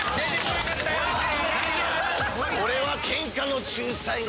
俺はケンカの仲裁が